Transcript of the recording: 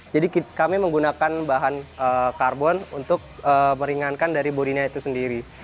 jadi kami menggunakan bahan karbon untuk meringankan dari bodinya itu sendiri